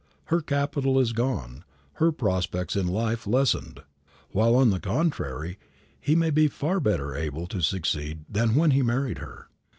Her capital is gone; her prospects in life lessened; while, on the contrary, he may be far better able to succeed than when he married her.